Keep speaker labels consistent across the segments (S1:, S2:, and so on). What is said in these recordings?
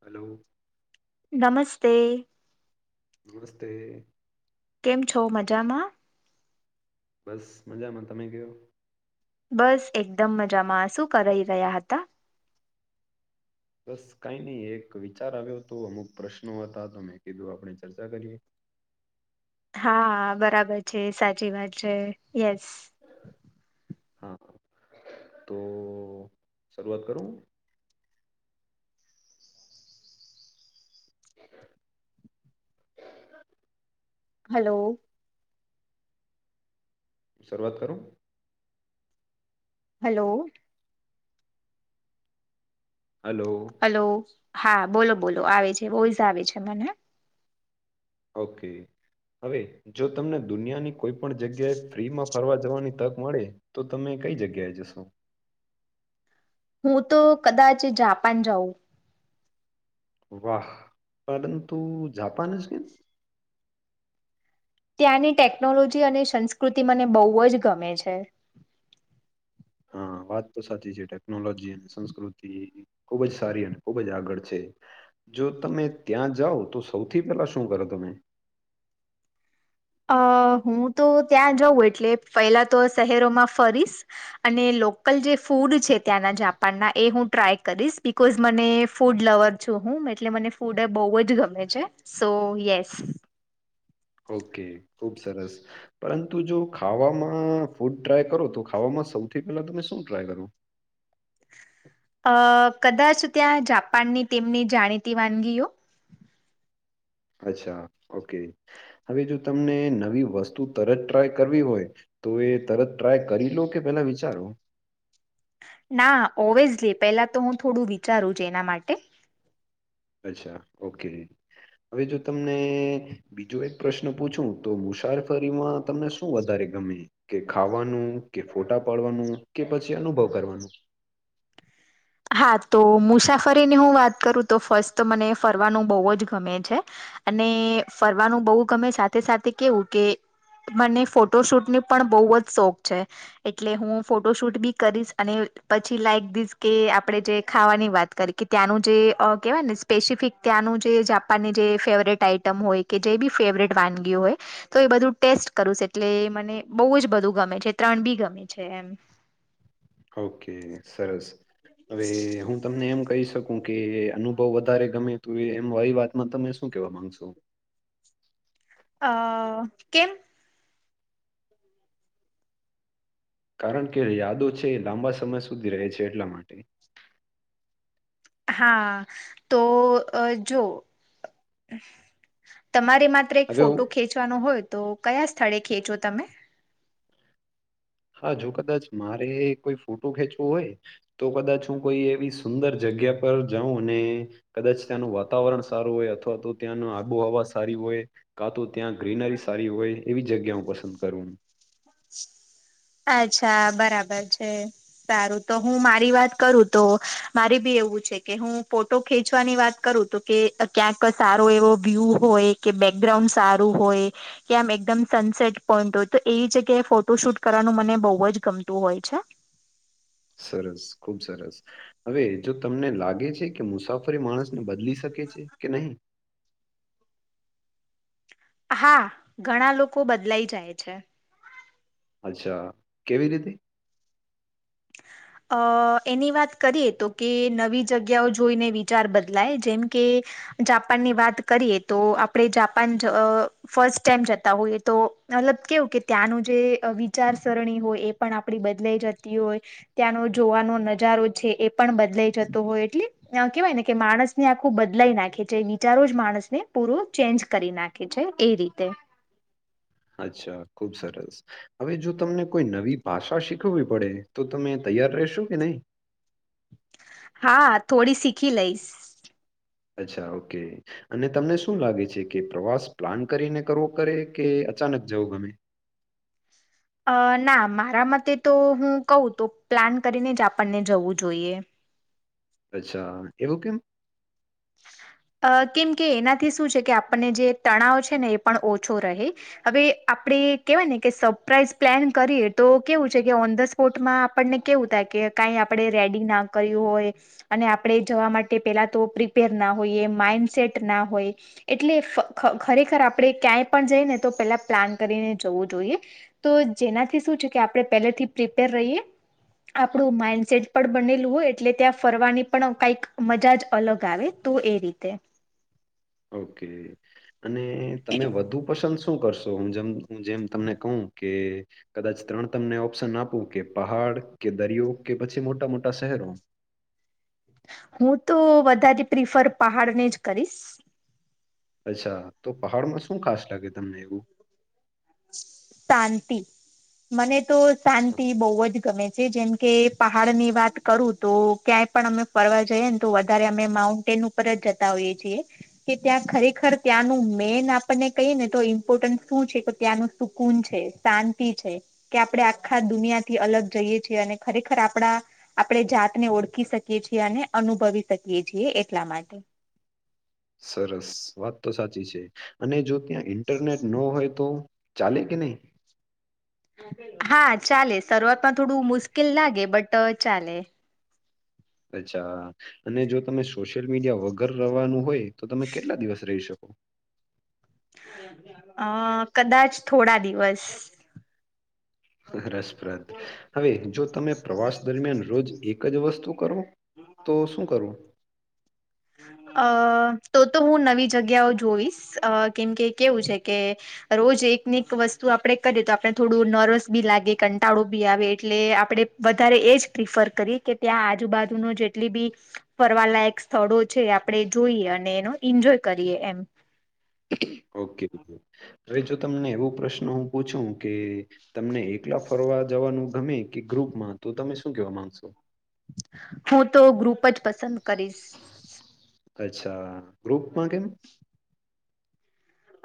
S1: Hello.
S2: નમસ્તે.
S1: નમસ્તે.
S2: કેમ છો મજામાં.
S1: બસ મજામાં તમે ગયો.
S2: બસ એકદમ મજામાં શું કરાઈ રહ્યા હતા.
S1: બસ કઈ નહી એક વિચાર આવ્યો હતો અમુક પ્રશ્નો હતા તો મેં કીધું આપણે ચર્ચા કરીએ.
S2: હા બરાબર છે સાચી વાત છે યસ.
S1: હા તો શરૂઆત કરું.
S2: હલો.
S1: શરૂઆત કરું.
S2: હલો.
S1: હલો.
S2: હલો હા બોલો બોલો આવે છે વોઈઝ આવે છે મને.
S1: ઓકે હવે જો તમને દુનિયાની કોઈ પણ જગ્યાએ ફ્રીમાં. ફરવા જવાની તક મળે તો તમે કઈ જગ્યાએ જશો.
S2: હું તો કદાચ જાપાન જાઉં.
S1: વાહ પરંતુ જાપાન જ કે
S2: ત્યાંની ટેકનોલોજી અને સંસ્કૃતિ મને બોવ જ ગમે છે.
S1: હ વાત તો સાચી છે, ટેકનોલોજી, સંસ્કૃતિ ખુબ જ સારી અને ખુબ જ આગળ છે. જો તમે ત્યાં જાઓ તો સૌથી પહેલા શું કરો તમે?
S2: અ હું તો ત્યાં જઉં એટલે પહેલા તો શહેરોમાં ફરીશ અને લોકલ જે ફૂડ છે, ત્યાંના જાપાનના એ હું ટ્રાય કરીશ બી કોઝ મને ફૂડ લવર છું હું એટલે મને ફૂડ બોવજ ગમે છે. સો યેસ
S1: ઓકે ખુબ સરસ પરંતુ જો ખાવામાં ફૂડ ટ્રાય કરો તો ખાવામાં સૌથી પહેલા તમે શું ટ્રાય કરો?
S2: અ કદાચ ત્યાં જાપાની તેમની જાણીતી વાનગીઓ
S1: અચ્છા ઓકે હવે જો તમને નવી વસ્તુ તરત ટ્રાય કરવી હોય તો એ તરત ટ્રાય કરી લો કે પેલા વિચારો
S2: ના ઓવેસલી પેલા તો હું થોડું વિચારું જ એના માટે
S1: અચ્છા ઓકે હવે જો તમને બીજો એક પ્રશ્ન પૂછું તો મુસાર ફરીમાં તમને શું વધારે ગમે કે ખાવાનું કે ફોટા પાડવાનું કે પછી અનુભવ કરવાનું
S2: હા તો મુસાફરીની હું વાત કરું તો ફસ્ટ તો મને ફરવાનું બોવજ ગમે છે. અને ફરવાનું બોઉ ગમે સાથે સાથે કેવું કે મને ફોટો શૂટની પણ બોવ જ શોખ છે. એટલે હું ફોટો શૂટ બી કરીશ અને પછી લાઈક ધીસ કે આપણે જે ખાવાની વાત કરી કે ત્યાંનું જે અ કહેવાય ને સ્પેસિફિક ત્યાંનું જે જા પાને જે ફેવરેટ આઈટમ હોય કે જે બી ફેવરેટ વાનગી હોય તો એ બધું ટેસ્ટ કરુંસ એટલે મને બો જ બધું ગમે છે, ત્રણ બી ગમે છે, એમ
S1: ઓકે સરસ હવે હું તમને એમ કહી શ કુ કે અનુભવ વધારે ગમે તું એ એમ વાયી વાતમાં તમે શું કેવા માંગશો
S2: અ કેમ
S1: કારણ કે યાદો છે, લાંબા સમય સુધી રહે છે, એટલા માટે
S2: હા તો અ જો તમારે માત્ર એક
S1: હવે
S2: ફોટો
S1: હું-
S2: ખેંચવાનો હોય તો કયા સ્થળે ખેંચો તમે
S1: હા જો કદાચ મારે કોઈ ફોટો ખેંચવો હોય તો કદાચ હું કોઈ એવી સુંદર જગ્યા પર જાઉં ને કદાચ ત્યાંનું વાતાવરણ સારું હોય અથવા તો ત્યાંન આબોહવા સારી હોય કા તો ત્યાં ગ્રીનરી સારી હોય એવી જગ્યા હું પસંદ કરું
S2: અચ્છા બરાબર છે. સારું તો હું મારી વાત કરું તો મારી બી એવું છે, કે હું પો તો ખેંચવાની વાત કરું તો કે ક્યાંક સારો એવો વ્યુ હોય કે બેકગ્રાઉન્ડ સારું હોય કે આમ એકદમ સનસેટ પોઈન્ટ હોય તો એવી જગ્યાએ ફોટો શૂટ કરવાનું મને બોવ જ ગમતું હોય છે.
S1: સરસ ખુબ સરસ હવે જો તમને લાગે છે, કે મુસાફરી માણસને બદલી શકે છે, કે નહીં?
S2: હા ઘણા લોકો બદલાઈ જાય છે.
S1: અચ્છા કેવી રીતે
S2: અ એની વાત કરીએ તો કે નવી જગ્યાઓ જોઈને વિચાર બદલાય જેમ કે જાપાન ની વાત કરીએ તો આપણે જાપાન અ ફર્સ્ટ ટાઈમ જતા હોઈએ તો મતલબ કેવું કે ત્યાંનું જે વિચારસરણી હોય એ પણ આપડી બદલાઈ જતી હોય. ત્યાંનો જોવાનો નજારો છે એ પણ બદલાઈ જતો હોય એટલે. કેવાય ને કે માણસ ને આખું બદલાઈ નાખે જે વિચારો જ માણસ ને પૂરું ચેન્જ કરી નાખે. એ રીતે
S1: અચ્છા ખુબ સરસ હવે જો તમને કોઈ નવી ભાષા શીખવવી પડે તો તમે તૈયાર રહેશો કે નહી.
S2: હા થોડી શીખી લઈશ.
S1: અચ્છા ઓકે. અને તમને શું લાગે છે કે પ્રવાસ પ્લાન કરીને કરવો કરે કે અચાનક જવો ગમે
S2: અ ના મારા મતે તો હું કહું તો પ્લાન કરીને જ આપણને જવું જોઈએ.
S1: અચ્છા એવું કેમ.
S2: અ કેમ કે એનાથી શું છે કે આપણને જે તણાવ છે ને એ પણ ઓછો રહે. હવે આપડ કેવાય ને કે સરપ્રાઈઝ પ્લાન કરીએ તો કેવું છે કે ઓન ધ સ્પોર્ટમાં આપણને કેવું થાય કે કઈ આપણે રેડી ના કર્યું હોય. અને આપણેે જવા માટે પેલા તો પ્રિપેર ના હોઈએ માઈન્ડસેટ ના હોય. એટલે ખરેખર આપણેે ક્યાંય પણ જઈ ને તો પેલા પ્લાન કરીને જવું જોઈએ. તો જેનાથી શું છે કે આપણે પહેલેથી પ્રિપેર રહીએ. આપણું માઈન્ડસેટ પણ બનેલું હોય એટલે ત્યાં ફરવાની પણ કાંઈક મજા જ અલગ આવે. તો એ રીતે.
S1: ઓકે અને તને વધુ પસંદ શ શું કરશો હું જેમ જેમ તમને કહું કે. કદાચ ત્રણ તમને ઓપ્શન આપું કે પહાડ કે દરિયો કે પછી મોટા મોટા શહેરો.
S2: હું તો વધારે પ્રિફર પહાડને જ કરીશ
S1: અચ્છા તો પહાડ માં શું ખાસ લાગે તમને એવું.
S2: શાંતિ મને તો શાંતિ બહુ જ ગમે છે જેમ. કે પહાડ ની વાત કરું તો ક્યાંય પણ અમે ફરવા જઈએ ને તો વધારે અમે માઉન્ટેન પર જ જતા હોઈએ છીએ. કે ત્યાં ખરેખર ત્યાંનું મેઈન આપણને કહીએ ને તો ઈમ્પોર્ટન્સ શું છે. ત્યાંનું સુકૂન છે શાંતિ છે. કે આપડણે આખા દુનિયા થી અલગ જઈએ છીએ અને ખરેખર આપડા આપણે જાતને ઓળખી શકીએ છીએ અને અનુભવી શકીએ છીએ એટલા માટે
S1: સરસ વાત તો સાચી છે અને જો ત્યાં ઇન્ટરનેટ ન હોય તો. ચાલે કે નહી.
S2: હા ચાલે શરૂઆતમાં થોડું મુશ્કેલ લાગે બટ ચાલે.
S1: અચ્છા અને જો તમે સોશિયલ મીડિયા વગર રવાનું હોય. તો તમે કેટલા દિવસ રહી શકો.
S2: અ કદાચ થોડા દિવસ.
S1: રસપ્રદ. હવે જો તમે પ્રવાસ દરમિયાન રોજ એક જ વસ્તુ કરો તો શું કરો.
S2: અ તો તો હું નવી જગ્યાઓ જોઈશ અ કેમકે કેવું છે કે. રોજ એકને એક વસ્તુ આપણે કરીએ તો આપણે થોડું નર્વસ બી લાગે કંટાળો બી આવે એટલે આપણે. વધારે એજ પ્રિફર કરી કે ત્યાં આજુબાજુ ન જેટલી બી ફરવાલાયક. સ્થળો છે આપણેે જોઈએ અને એનો એન્જોય કરીએ એમ.
S1: ઓકે હવે જો તમને એવો પ્રશ્ન હું પૂછું કે તમને એકલા ફરવા જવાનું ગમે કે ગ્રુપમાં તો તમે શું કેવા માંગશો
S2: હું તો ગ્રુપ જ પસંદ કરીશ
S1: અચ્છા ગ્રુપમાં કેમ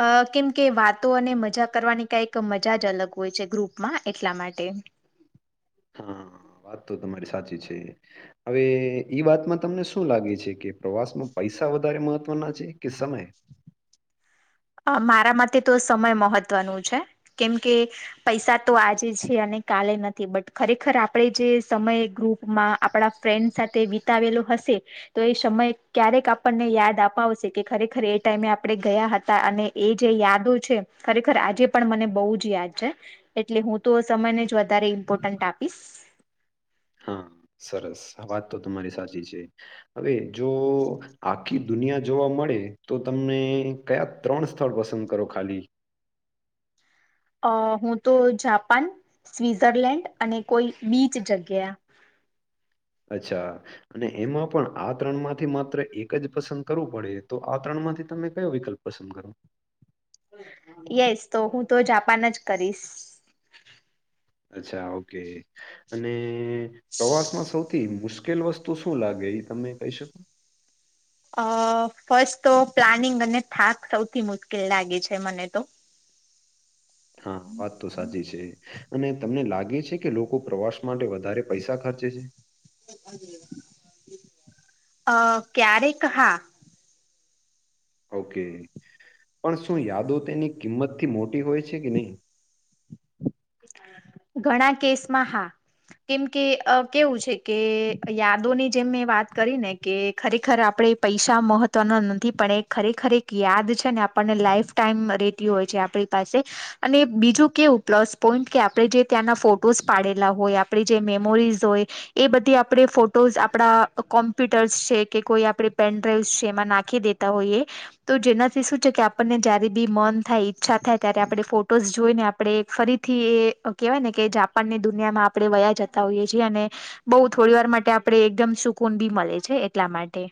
S2: અ કેમ કે વાતો અને મજા કરવાની કઈક મજા જ અલગ હોય છે ગ્રુપમાં એટલા માટે
S1: હા વાત તો તમારી સાચી છે. હવે વાતમાં તમને શું લાગે છે કે પ્રવાસમાં પૈસા વધારે મહત્વના છે કે સમય
S2: અ મારા માટે તો સમય મહત્વનું છે કેમકે પૈસા તો આજે છે અને કાલે નથી બટ ખરેખર આપણેે જે સમય ગ્રુપમાં આપણા ફ્રેન્ડ સાથે વિતાવેલો હશે તો એ સમય ક્યારેક આપણને યાદ અપાવશે કે ખરેખર એ ટાઈમે આપણે ગયા હતા તા અને એ જે યાદો છે ખરેખર આજે પણ મને બહુ જ યાદ છે. એટલે હું તો સમયને જ વધારે ઇમ્પોર્ટન્ટ આપીશ
S1: હા સરસ આ વાત તો તમારી સાચી છે હવે જો આખી દુનિયા જોવા મળે તો તમને કયા ત્રણ સ્થળ પસંદ કરો ખાલી
S2: અ હું તો જાપાન સ્વીઝરલેન્ડ અને કોઈ બીચ જગ્યા
S1: અચ્છા અને એમાં પણ આ ત્રણ માંથી માત્ર એક જ પસંદ કરવું પડે તો આ ત્રણ માંથી તમે કયો વિકલ્પ પસંદ કરો
S2: યેસ તો હું તો જાપાન જ કરીશ
S1: અચ્છા ઓકે અને પ્રવાસ માં સૌ સૌથી મુશ્કેલ વસ્તુ શું લાગે એ તમે કહી શકો
S2: અ ફસ્ટ તો પ્લાનિંગ અને થાક સૌથી મુશ્કેલ લાગે છે મને તો
S1: હા વાત તો સાચી છે. અને તમને લાગે છે કે લોકો પ્રવાસ માટે વધારે પૈસા ખર્ચે છે.
S2: અ ક્યારેક હા
S1: ઓકે પણ શું યાદો તેની કિંમતથી મોટી હોય છે કે નહીં
S2: ઘણા કેસ માં હા કેમ કે અ કેવું છે કે યાદોની જેમ મેં વાત કરી ને કે ખરેખર આપણે પૈસા મહત્વના નથી પણ એ ખરેખર એક યાદ છે ને આપણને લાઈફ ટાઈમ રેતી હોય છે આપણી પાસે અને બીજું કેવું પ્લસ પોન્ટ કે આપણે જે ત્યાંના ફોટોસ પાડેલા હોય આપણે જે મેમોરીઝ હોય એ બધી આપણે ફો ફોટોસ આપડા કોમ્પ્યુટર્સ છે કે કોઈ આપણે પેનડ્રાઈવસ છે એમાં નાખી દેતા હોઈએ તો જેનાથી શું છે કે આપણને જયારે બી મન થાય ઈચ્છા થાય ત્યારે આપણે ફોટોઝ જોઈને આપણે ફરી થી એ કેહેવાય ને કે જાપાન ની દુનિયામાં આપણે વયા જતા હોઈએ છીએ અને બઉ થોડી વાર માટે આપણે એકદમ સુકૂન બી મળે છે એટલા માટે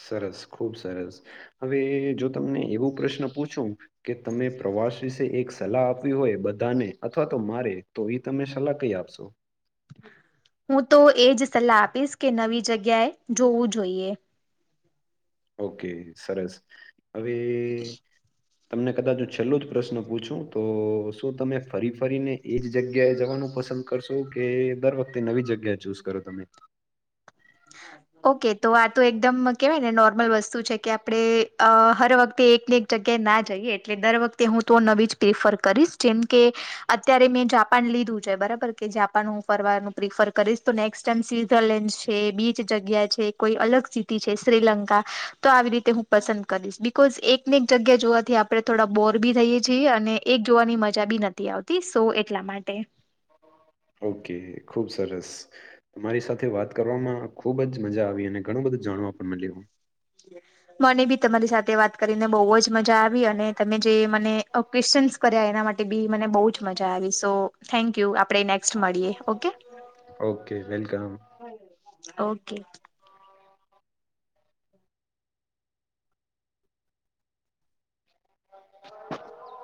S1: સરસ ખુબ સરસ હવે જો તમને એવું પ્રશ્ન પૂછું કે તમે પ્રવાસ વિશે એક સલાહ આપવી હોય બધાને અથવા તો મારે તો એ તમે સલાહ કઈ આપશો
S2: હું તો એજ સલાહ આપીશ કે નવી જગ્યાએ જોવું જોઈએ
S1: ઓકે સરસ હવે તમને કદાચ છેલ્લો જ પ્રશ્ન પૂછું તો શું તમે ફરી ફરીને એજ જગ્યાએ જવાનું પસંદ કરશો કે દર વખતે નવી જગ્યા ચૂઝ કરો તમે- [inaudible]
S2: ઓકે તો આ તો એકદમ કેહેવાય ને નોર્મલ વસ્તુ છે કે આપણે અ હર વખતે એકને એક જગ્યાએ ના જઈએ એટલે દર વખતે હું તો નવી જ પ્રિફર કરીશ જેમ કે અત્યારે મેં જાપાન લીધું છે બરાબર કે જાપાન હું ફરવાનું પ્રિફર કરીશ તો નેક્સ્ટ જેમ સ્વીઝરલેન્ડ છે બી. જગ્યા છે કોઈ અલગ સિટી છે શ્રીલંકા તો આવી રીતે હું પસંદ કરીશ બી કોઝ એકને એક જગ્યા જોવાથી આપડણે થોડા બોર બી થઈએ છીએ અને એક જોવાની મજા બી નથી આવતી. પિસો એટલા માટે.
S1: ઓકે ખુબ સરસ. તમારી સાથે વાત કરવામાં ખુબ જ મજા આવી અને ઘણું બધું જાણવા પણ મળ્યું.
S2: મને બી તમારી સાથે વાત કરીને બહુ જ મજા આવી અને તમે જે મને ક્વેશ્ચનસ કર્યા એના માટે બી મને બહુ જ મજા આવી સો થેન ક યુ આપણે નેક્સ્ટ મળીએ ઓકે.
S1: Okay welcome.
S2: ઓકે.
S1: [inaudible]